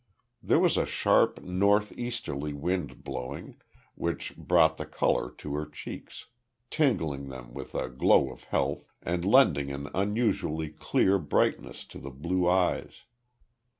There was a sharp north easterly wind blowing, which brought the colour to her cheeks, tingeing them with the glow of health, and lending an unusually clear brightness to the blue eyes.